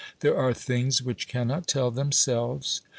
There are things which cannot tell themselves.